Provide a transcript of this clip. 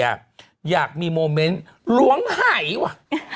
อยากมีโมเมนต์ล้วงหายว่ะ